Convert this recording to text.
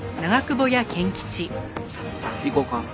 行こうか。